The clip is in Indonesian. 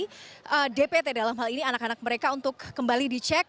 di jawa barat ada sekitar tiga enam juta wabah difteri kemudian mengecek kembali status imunisasi dpt